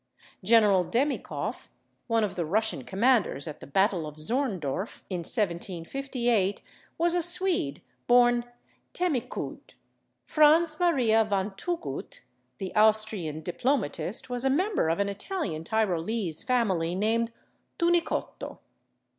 General /Demikof/, one of the Russian commanders at the battle of Zorndorf, in 1758, was a Swede born /Themicoud/. Franz Maria von /Thugut/, the Austrian diplomatist, was a member of an Italian Tyrolese family named /Tunicotto